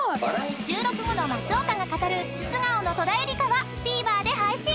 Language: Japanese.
［収録後の松岡が語る素顔の戸田恵梨香はＴＶｅｒで配信。